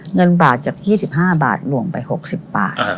เงินบาทจาก๒๕บาทหน่วงไป๖๐บาท